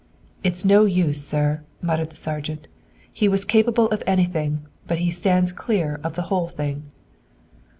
"It's no use, sir!" muttered the sergeant, "He was capable of anything, but he stands clear of the whole thing!"